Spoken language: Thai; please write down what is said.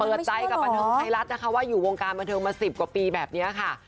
เปิดใจกับบันเทิงไทยรัฐนะคะว่าอยู่วงการบันเทิงมา๑๐กว่าปีแบบนี้ค่ะ